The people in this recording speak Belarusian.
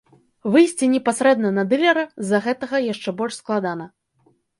Выйсці непасрэдна на дылера з-за гэтага яшчэ больш складана.